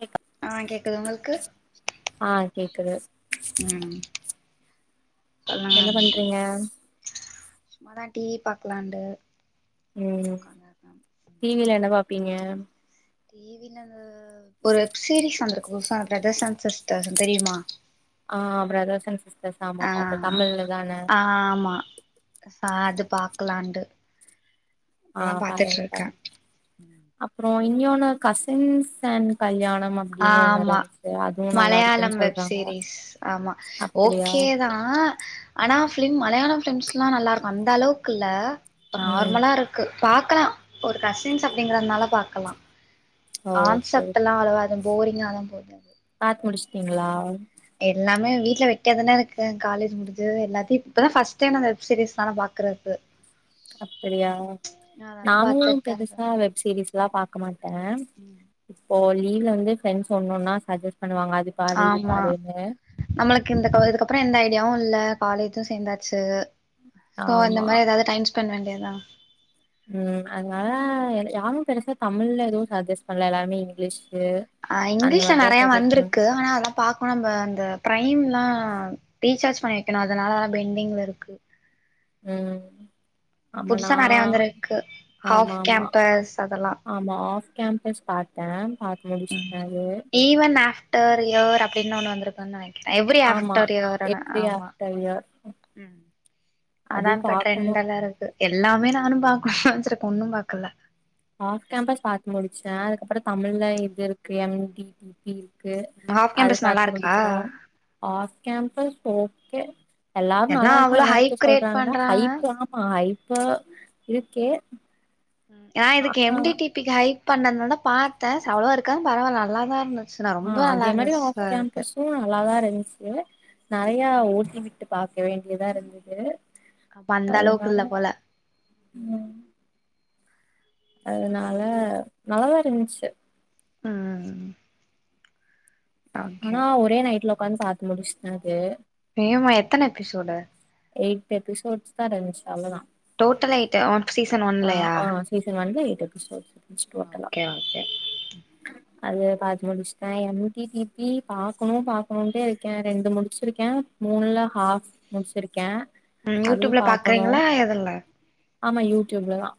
Cake ஆ கேக்குது உங்களுக்கு ஆ கேக்குது ம் சொல்லுங்க என்ன பண்றீங்க சும்மாதா டி பாக்கலான்ட்டு ம் டிவில என்ன பாப்பீங்க டிவில ஒரு வெப் சீரிஸ் வந்திருக்கு புதுசா பிரதர்ஸ் அன் சிஸ்டர் தெரியுமா ஆ பிரதர்ஸ் அண் சிஸ்டர்ஸ் ஆமா பாத்தே தமிழ்ல தானே அ ஆமா ச அது பாக்கலாண்டு ஆ பாருங்க பாருங் அப்பறோ இன்ஞோன்னு கசின்ஸ் அண்ட் கல்யாணம் ஆ அப்டின்னு ஒண்ணு ஆமா இருந்துச்சு அதுவு நல்லா இருக்குன்னு மலையாளம் சொல்றாங்க வெப்சீரிஸ் ஆமா அப்டியா ஓகே தா ஆனா ஃபிலிம் மலையாள ஃபிலிம்ஸ்ல்லா நல்லா இருக்கு அந்த அளவுக்கு இல்ல இப்ப ம் நார்மலா இருக் கு பாக்கலா ஒரு கசின்ஸ் அப்டிங்கறதுனால பாக்கலா ஓகே ஓகே கான்செப்ட்டுல்லா அவ்வளவா அது போரிங்கா தா போது பாத்து முடிச்சுட்டீங்ளா எல்லாமே வீட்ல வெட்டியா தானே இருக்கே காலேஜ் முடுஞ்சு எல்லாத்தயு இப்பதா ஃபஸ்ட் டைம் அந்த வெப் சீரீஸ் நாள பாக் க்குறது அப்டியா நானு பாத்துட்டு தா இருக்கே பெருசா வெப் சீரிஸ்லா பாக்க மாட்டே இப்போ லீவ்ல வந்துஃப்ரெண்ட்ஸ் ஒன்னு ஒன்னா சஜ்ஜஸ்ட் பண்ணுவாங்க அது பாரு இது ஆமா பாருன்னு நம்மளுக்கு இந்த கவ இதுக்குப்பறோ எந்த ஐடியாவு இல்ல காலேஜு சேந்தாச்சு சோ அந்த ஆமா மாரி ஏதாது டைம் ஸ்பெண்ட் வேண்டியது தா ம் அதனால யாரு பெருசா தமிழ்ல எதுவு சஜ்ஜஸ் பண்ல எல்லாமே இங்கிலீஷுக்கு ஆ இங்கிலீஷ்ல நெறையா வந்துருக்கு ஆனா அதலா பாக் கோ நம்ப அந்த பிரைம்லா ரீசார்ஜ் பண்ணி வைக்கணு அதனால தா பென்டிங்ல இருக்கு ம் ஆமா நா புதுசா நெறையா வந்துருக்கு ஆமா ஹாஃப் ஆமா கேம்பஸ் அதெல்லா ஆமா ஆஃப் கேம்பஸ் பாத்தே பாத்து ம் முடிச்டே அது ஈவன் ஆஃப்டர் இயர் அப்டின்னு ஒன்னு வந்திருக்குன்னு நெனக் எவ்ரி ஆமா ஆஃப்டர் இயர்னு எவ்ரி ஆமா ஆஃப்டர் இயர் அதா அதுவும் இப்ப பாக்கணு ட்ரெண்ட் எல்லா இருக்கு எல்லாமே நானு பாக்கணுனு வச்சிருக்கே ஒன்னு பாக்கல ஆஃப் கேம்பஸ் பாத்து முடிச்சுட்டே அதுக்கப்பறோ தமிழ்ல இது இருக்கு எம்டிடிபி க்கு ஹாஃப் அது கேம்பஸ் நல்லா பாத்து இருக்கா முடிக்கணு ஆஃப் கேம்பஸ் ஓகே எல்லாரு எல்லா நல்லா இருக்கு அவ்ளோ நல்லா ஹைப் இருக்கு கிரியேட் சொல்றாங்கனா பண்றாங்க ஹைப்பு ஆமா ஹைப்பு இருக்கே நா இதுக்கு ஆ எம்டிடிபிக்கு ஹைப் பண்ணதுனாலதா பாத்தே அவ்ளோ இருக்கா பரவால நல்லாதா இருந்துது சுன்னா ரொம்ப நல்லா இருந்துச்சு அது இதுவூ நல்லாதா இருந்துச்சு ம் நெறையா ஓட்டி விட்டு பாக்க வேண்டியதா இருந்துது அப்ப அந்த அளவுக்கு அதுனால இல்ல போல ம் அதுனால நல்லதா இருந்ச்சு ம் ஓகே ஆனா ஒரே நைட்ல ஒக்காந்து பாத்து முடிச்சுட்டே அது வேமா எத்தன எபிசோடு எயிட்டு எபிசோட்ஸ் தா இருந்துச்சு அவ்ளோதா டோட்டலா எய்ட்டு ஒ சீசன் ஆ ஒன்லயா ஆ சீசன் ஒன்ல எயிட் எபிசோடஸ் இருந்துச்சு டோட்டலா ஓகே ஓகே அது பாத்து முடிச்சுடே எம்டிடிபி பாக்கணு பாக்கணுன்ட்டே இருக்கே ரெண்டு முடிச்சுருக்கே மூனுல ஹாஃப் இருக்கே ம் யூடியூப்ல பாக்குறீங்களா எதுல்ல ஆமா யூடியூப்ல தா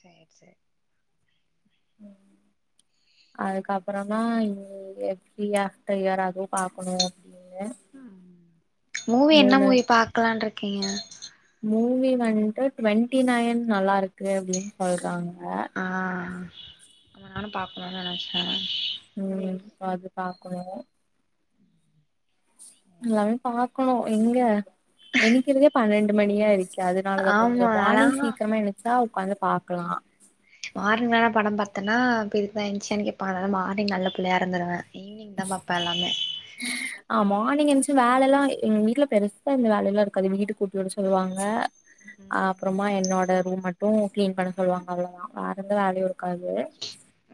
சேர் சேர் அதுக்கப்பறம் தா ஃப்ரீயா கிளியரகு பாக்கணு அப்டின்னு மூவி என்ன மூணு மூவி பாக்கலான்ட்ருக்கீங்க மூவி வந்ட்டு டுவெண்ட்டி நைன் நல்லா இருக்கு அப்டின் சொல்றாங்க ஆ நானு பாக்கணுன் நெனச்சே ம் அது பாக்கணு எல்லாமே பாக்கணு எங்க எனிக்கிறதே பன்னெண்டு மணியாயிருச் அதனாலதா ஆமா கொஞ்ச நாலா மார்னிங் சீக்கிரமா எனிச்சா உக்காந்து பாக்கலா மார்னிங்கல்லா படம் பாத்தேன்னா இப்ப இதுக் தா என்ச்சியான் கேப்பாங்க அதனால மார்னிங் நல்ல புள்ளையா இருந்துருவே ஈவ்னிங் தா பாப்பே எல்லாமே ஆ மார்னி்ங் எந்ச்சி வேலல்லா எங்க வீட்டுல பெருசா எந்த இந்த வேல்லல்லா இருக்காது வீடு கூட்டியுட சொல்லுவாங்க ஆ ம் அப்றமா என்னோட ரூம் மட்டு கிளீன் பண்ண சொல்லுவாங்க அவ்ளோதா வேறேந்த வேலையு இரு க்காது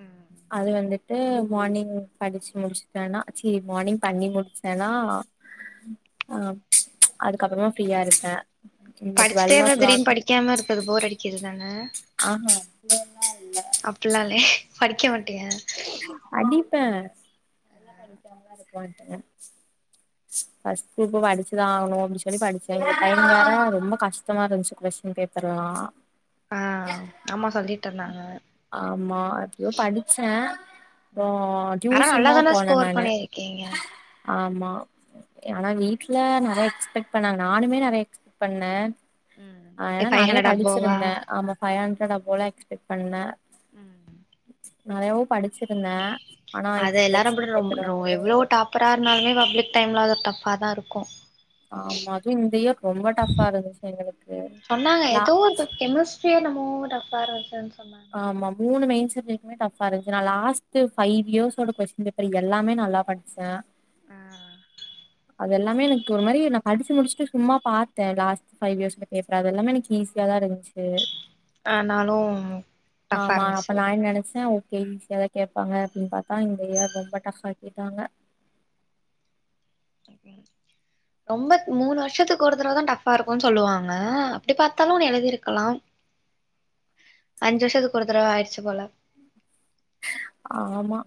ம் அது வந்துட்டு மார்னிங் படிச்சு முடிச்சட்டனா சீ மார்னிங் பண்ணி முடிச்சேன்னா ஆ அதுக்கப்புறமா ஃப்ரீயா இருப்பே இந்த டுவெல் படிச்சுட்டே ஓ இருந்தா கிளாக் திடீர்ன் படிக்காம இருக்கது ஃபோர் அடிக்குது தானே ஆமா அப்படில்லா இல்ல அப்டிலா இல்லைய படிக்க மாட்டியா படிப்பே ஃபஸ்ட் குரூப்பு படிச்சுதா ஆகணு அப்டின் சொல்லி படிச்சே டைம் வேற ரொம்ப கஷ்டமா இருந்ச்சு கொஸ்டின் பேப் பர்ல்லா ஆ ஆமா சொல்லிட்டு இருந்தாங்க ஆமா எப்டியோ படிச்சே அப்றோ ம் ஆனா டியூஷன் தா நல்லாதான போனே ஸ்கோர் நானு பண்ணிருக்கீங்க ஆமா ஆனா வீட்ல நெறைய எக்ஸ்பெட் பண்ணாங் நானுமே நறைய எக்ஸ்பெட் பண்ணே ம் ஆ ஏன்னா ஃபைவ் நறைய ஹண்ட்ரட் அபோவா படிச்சிருந்தே ஆமா ஃபைவ் ஹண்ட்ரட்ர போல எக்ஸ்பெக்ட் பண்ணே நெறையாவு படிச்சிருந்தே ஆனா அத இப்டி எல்லாரும் கொஸ்டின் பேப்பர் ரோ வந்து எவ்வளோ டாப்பரா இருந்தாலுமே பப்ளிக் டைம்ல அது டஃப்பா தா இருக்கு ஆமா அதுவு இந்த இயர் ரொம்ப டஃப்பா இருந்துச்சு எங்களுக்கு லா [unintelligible] என்னா சே என்னமோ டஃப்ஃபா இருன்ச்சுன் சொன்னாங் ஆமா மூனு மெயின் சப்ஜெக்டுமே டஃப்ஃபா இருந்ச்சு நா லாஸ்ட்டு ஃபைவ் இயர்ஸ்ஸோட கொஸ்டின் பேப்பர் எல்லாமே நல்லா ப ச அது எல்லாமே எனக்கு ஒரு மாரி நா படிச்சு முடிசஸ்ட்டு சும்மா பாத்தே லாஸ்ட் பைவ் இயர்ஸ்ல பேப்பர அது எல்லாம எனக் ஈஸ் யாதா இருந்ச்சு ஆ நானும் ஆமா அப்ப நா என் நெனச்சே கே ஈஸியா தா கேப்பாங்க அப்டின் பாத்தா இந்த இயர் ரொம்ப டஃப்ஃபா கேட்டாங்க ரொம்ப மூனு வர்ஷத்துக்கு ஒருதடவதா டஃப்ஃபா இருக்குன் சொல்லுவாங்க அப்டி பாத்தாலு நீ எழுதிருக்கலா அஞ்சு வருஷத்துக்கு ஒரு தரவ ஆயிடுச்சி போல ஆமா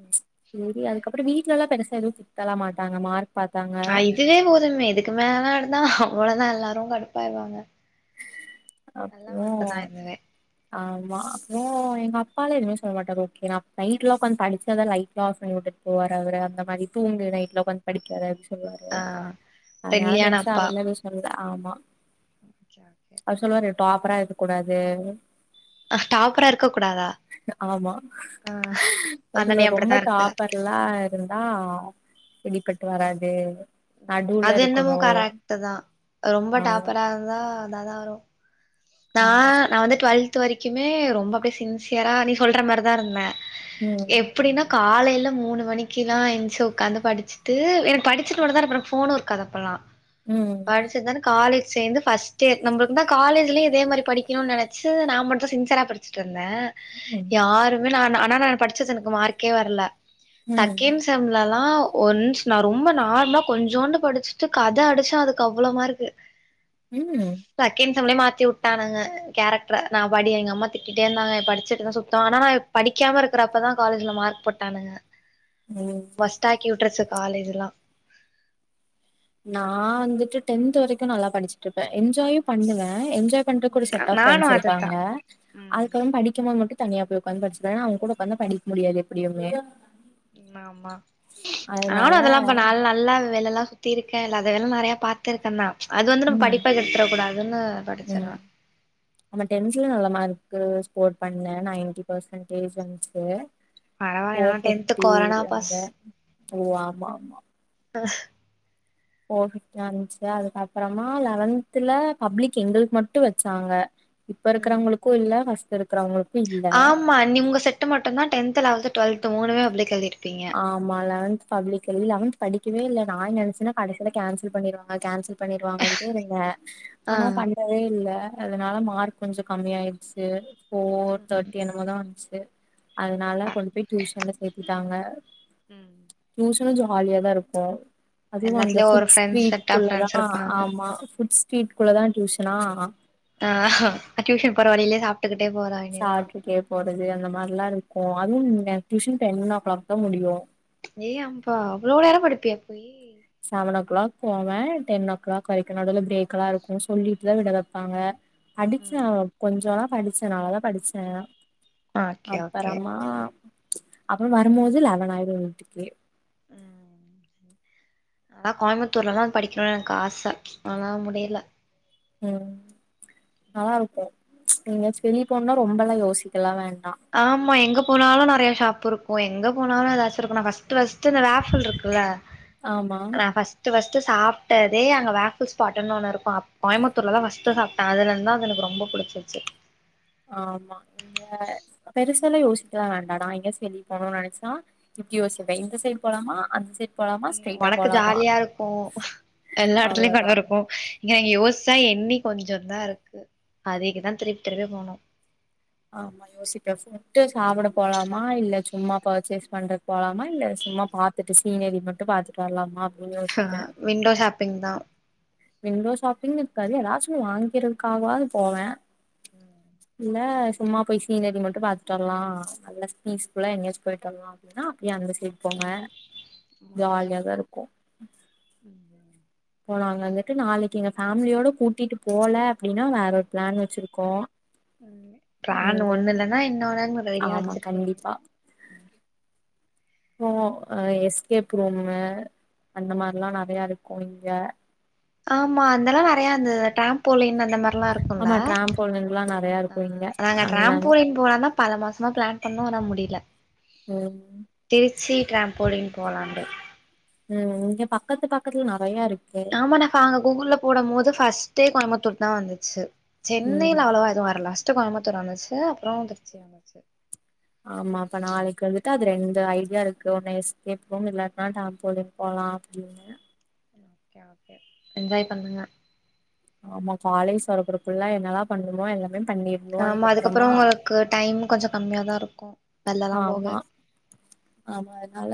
தெர்ல அதுக்கப்புறோ வீட்லல்லா பெருசா எதுவு திட்டலா மாட்டாங்க மார்க் பாத்தாங்க ஆ இதுவே போதுமே இதுக்கு மேல எடுத்தா அவ்ளோதா எல்லாரு கடுப்பாய்ருவாங்க அப்புறோ தா இதுவே ஆமா அப்றோ எங்க அப்பால எதுமே சொல்ல மாட்டாரு ஓகே நா நைட்லா உக்காந்து படிச்சாதா லைட் ஆஃப் பண்ணி வுட்டு போற அவரு அந்த மாரி தூங்கு நைட்ல உக்காந்த் படிக்காத சொல்லுவாரு ஆ அதனால ஃப்ரெண்ட்லியான பெருசா அவர்லா எது சொல்ல ஆமா ஒகே ஒகே அவர் சொல்லுவாரு டாப்பரா இருக்க கூடாது டாப்பரா இருக்க கூடாதா ஆமா ஆ அதுல அண்ணனே ரொம்ப அப்டித்தா இருக்கு டாப்பர் பில்லா இருந்தா செரிபட்டு வராது நடுவுல அதென்னமோ இருக்கணு கரக்டு தா ரொம்ப ஆமா டாப்பரா இருந்தா அதாதா வரு நா ஆமா நா வந்து டுவெல்த் வரைக்குமே ரொம்ப அப்டியே சின்சியரா நீ சொல்ற மாரிதா இருந்தே ம் எப்டின்னா காலையில மூணு மணிக்கில்லா ஏஞ்சி உக்காந்து படிச் டு எனக்கு படிச்சிட்டு போனா தான அப்றோ ஃபோனு இருக்காது அப்பல்லா ம் படிச்சது தான காலேஜ் சேந்து ஃபர்ஸ்ட் இயர் நம்புள்க்கு தா காலேஜ்லியு இதே மாரி படிக்கனு நெனச்சு நா மட்டு சின்சிரா படிச்சிட்ருந்தே ம் யாரு இன்மேல் நா ஆனா நா படிச்சது எனக்கு மார்க்கே வர்ல ம் செகன் டேம்லலா ஒன்ஸ் நா ரொம்ப நார்மலா கொஞ்சோண்டு படிச்ட்டு கத அடிச்சே அதுக்கு அவ்ளோ மார்க்கு ம் செகண் செம்லே மாத்தி வுட் டானுங்க கேரக்டர நா படி எங்க அம்மா திட்டிட்டே இருந்தாங்க படிச்சிட்டுதா சுத்தோ ஆனா நா படிக்காம இருக்கறப்பதா காலேஜ்ல மார்க் போட்டானுங்க ம் வொஸ்ட் ஆக்கி வுட்டுருச்சி காலேஜ்லா நா வந்துட்டு டென்த் வரைக்கு நல்லா படிச்சிட்ருப்பே என்ஜாயு பண்ணுவே என்ஜாய் பண்றக்கு ஒரு செட் ஆஃப் நானு ஃப்ரெண்ட்ஸ் அதுதா இருப்பாங்க ம் அதுக்கப்றோ படிக்கு போது மட்டு தனியா போய் ஒக்காந்து படிச்சிப்ப ஏனா அவுங் கூட ஒக்காந்தா படிக் முடியாது எப்படியுமே ஆமா நானு அதனால அதெல்லா பண்ண நா நல்லா வேல எல்லா திருக்கே இல்லாத வேல நெறைய பாத்துருக்கே தா அது வந்து நம்ம ம் படிப்ப கெடுத்துர கூடாதுன்னு படிச்சிருவே நம்ம டென்த்லே நல்ல மார்க்கு ஸ்கோர் பண்ணே நைன்டி பர்சன்டேஜ் வந்துச்சி பரவால்ல நா ஃபோர் டென்த்து ஃபிப்டி கொரோனா வந்த பாஸ் ஓ ஆமா ஆமா ஆ ஃபோர் ஃபிப்டி வந்த்ச்சா அதுக்கப்பறமா லெவன்த்துல பப்ளிக் எங்கள்க்கு மட்டு வெச்சாங்க இப்ப ம் இருக்கிறவங்களுக்கு இல்ல ஃபஸ்ட் இருக்கிறவங்களுக்கு இல்ல மா நீ உங்க செட்டு மட்டு தா டென்த்து லவல்த்து டுவெல்த் மூனுமே பப்ளிக் எழுதிருப்பீங்க ஆமா லெவன்த் பப்ளிக் இல் லெவன்த் படிக்கவே இல்ல நா நெனச்சனா கடசில கேன்சல் பண்ணிருவாங்க கேன்சல் பண்ணிருவாங்கன்டே இருங்க ஆ ஆனா பண்ணவே இல்ல அதனால மார்க் கொஞ்சோ கம்மி ஆயிட்ச்சு ஃபோர் தேட்டி அந்த மார் தா வந்துச்சி அதனால கொண்டு போய் டியூஷன்ல சேத்திட்டாங்க ம் டியூஷனு கொஞ்ச ஜாலியா தா இருக்கு அதுவு அந்த எல்லாத்துலயு ஒரு food friends street set of friends குள்ளதா இருப்பாங்க. ஆமா ஃபுட் ஸ்ட்ரீட் குள்ள தா டியூஷனா ஆ டியூஷன் போறவழிலே சாப்ப ட்டுக்கிட்ட போதா சாப்பிட்டுக்கே போறது அந்த மாதிரிலா இருக்கு அதுவு டியூஷன் டென் ஓ கிளாக் தா முடியு ஏய் அம்பா அவ்ளோ நேரம் படிப்பியா போயி செவன் ஓ கிளாக் போவே டென் ஓ கிளாக் வரைக்கு நடுல பிரேக் எல்லா இருக்கு சொல்லிட்டுதா விட வெப்பாங்க படிச்சே ம் கொஞ்சோ தா படிச்சே நல்லதா படிச்சே ஓகே ஓகே அப்பறம்மா அப்புற வரும்போது லெவன் ஆயிடு வீட்டுக்கு ம் சரி ஆனா கோயம்புத்தூர்ல்ல தா படிக்கணுனு எனக்கு ஆசை ஆனா முடியலை ம் நல்லா இருக்கு எங்காச்சு வெளி போனுன்னா ரொம்பல்லா யோசிக்கலா வேண்டா ஆமா எங்க போனாலு நெறைய ஷாப் இருக்கு எங்க போனாலு ஏதாச்சு இருக்கு நா ஃபஸ்ட் ஃபஸ்ட் இந்த வேஃப்ல் இருக்குல்ல ஆமா ஆ பஸ் ஃபஸ்ட் ஃப்ஸ்ட் சாப்பிட்டதே அங்க வேஃப்ல் ஸ்பாட்டுன்னு ஒன்னு இருக்கு கோயம்பத்தூர் ல தான் ஃபஸ்ட் சாப்ப அதுல இருந்து தா அது எனக்கு ரொம்ப புடிச்சிச்சு ஆமா இங்க பெருசால யோசிக்கவே வேண்டா நா எங்க எங்காச்சி வெளிய போனுனு நெனைச்சா வித்தியோசதை இந்த சைடு போலாம அந்த சைடு ம் ஒனக்கு ஜாலியா இருக்கு எல்லா எடத்துலயு அவ்ளோதா கட இருக்கு இங்கங்க யோசிச்சா எண்ணி கொஞ்சோ தா இருக்கு அதைக்கு தா திருப்பி திருப்பிய போணு ஆமா யோசி ஃப்ஸ்ட்டு சாப்பிட போலாமா இல்ல சும்மா பர்ச்சேஸ் பண்றதுக்கு போலாமா இல்ல சும்மா ப த்துட்டு சீனரி மட்டும் பாத்துட்டு வரலாமா ஆ அப்டின்னுயோசிப்பே விண்டோ ஷாப்பிங் தா விண்டோ ஷாப்பிங் இருக்காது யாதாச்சு வாங்கிறதுக்காகவாது போவே ம் இல்லை சும்மா போய் சீனரி மட்டு பாத்துட்டு வரலா நல்லா பீஸ்ஃபுல்லா எங்காச்சு போயிட்டு வரலா ன்னா அப்பயே அந்த சைடு போங்க ம் ஓகே ஜாலியாதா இருக்கு ம் இப்போ நாங்க வந்துட்டு நாளைக்கி எங்க ஃபேமிலியோட கூட்டிட்டு போல அப்டின்னா வேற ஒரு பிளான் வச்சிருக்கோ ம் பிளான் இங்க ஒண்ணு இல்லன்னா இன்னொன்னு ரெடியா ஆமா வச்சிருப்பீங்க கண்டிப்பா போ அ எஸ்கேப் ரூம்மு அந்த மாரிலா நெறையா இருக்கு இங்க ஆமா அதெல்லா நெறைய அந்த ட்ரேம்போலின் அந்த மாரிலா இருக்குல ஆமா டிராம்போலின்லா நெறையா ஆ இருக்கு இங்க நாங்க அங்க ட்ரேம்போலின் போலான்ந்தா பல மாசமா பிளான் பண்ணோ ஆனா முடியல ம் திருச்சி டிரம்போலின் போலாண்டு ம் இங்க பக்கத்து பக்கத்துல நெறையா இருக்கு ஆமானக்கா அங்க கூக்குல போடும் போது ஃபர்ஸ்ட்டே கோயம்புத்தூர் தா வந்துச்சு ம் சென்னைல அவ்வளவா எதுவு வரல ஃப்ஸ்ட்டு கோயமுத்தூர் வந்துச்சு அப்புற திருச்சி வந்துச்சு ஆமா அப்ப நாளைக்கு வந்துட்டு அது ரெண்டு ஐடியா இருக்கு ஒன்ன எஸ்கேப் ரூம் இல்ல ட்ரேன்போல்ன்னு போலா அப்டின்னு ஓகே ஓகே என்ஜாய் பண்ணுங்க ஆமா காலேஜ் வரபறக்குள்ள என்னல்லா பண்ணணுமோ எல்லாமே பண்ணி ஆமா அதுக்கப்புறோ உங்களுக்கு டைம் கொஞ்ச கம்மியா தா இருக்கு வெளியெல்லா போக ஆமா ஆமா அதனால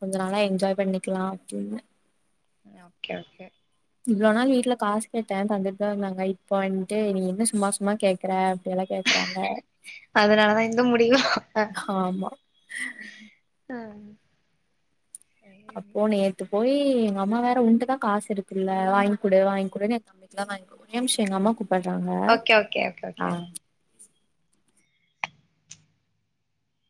கொஞ்ச நாளா என்ஜாய் பண்ணிக்கலா அப்டின்னு அ ஓகே ஓகே இவ்ளோ நாள் வீட்ல காசு கேட்டே தந்துட்டு தா இருந்தாங்க இப்போ வன்ட்டு நீ என்ன சும்மா சும்மா கே க்குற அப்டியெல்லா கேக்குறாங்க அதனாலதா இந்த முடிவா ஆமா அ அப்போ நேத்து போயி எங்க அம்மா வேற உண்ட்டதா காசு இருக்குல்ல வாங்கிக் குடு வாங்கிக் குடுன்னு ஒரே நிமிஷோ எங்க அம்மா கூப்பிடுறாங்க ஓகே ஓகே ஓகே ஓகே ஆ